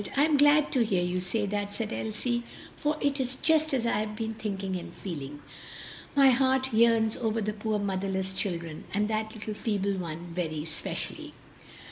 I am glad to hear you say that!" said Elsie, "for it is just as I have been thinking and feeling. My heart yearns over the poor motherless children, and that little feeble one very especially."